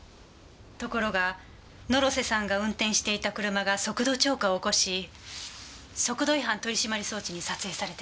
ところが野呂瀬さんが運転していた車が速度超過を起こし速度違反取締装置に撮影されてしまった。